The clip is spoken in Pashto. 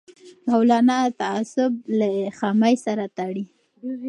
مولانا تعصب له خامۍ سره تړي